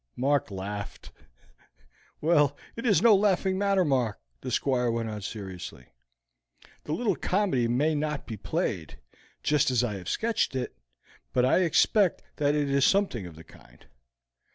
Mark laughed. "Well, it is no laughing matter, Mark," the Squire went on seriously. "The little comedy may not be played just as I have sketched it, but I expect that it is something of the kind.